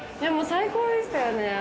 最高でしたよね。